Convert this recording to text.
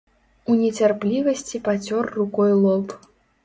У нецярплівасці пацёр рукой лоб.